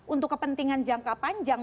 untuk kepentingan jangka panjang